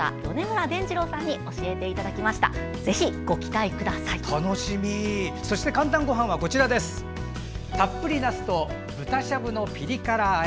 そして「かんたんごはん」はたっぷりなすと豚しゃぶのピリ辛あえ。